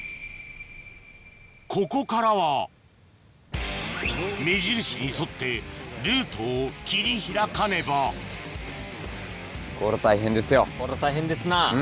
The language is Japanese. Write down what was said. ここからは目印に沿ってルートを切り開かねばこれは大変ですな。